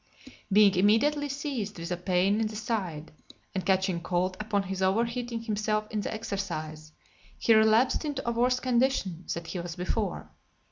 Being immediately seized with a pain in the side, and catching cold upon his over heating himself in the exercise, he relapsed into a worse condition than he was before.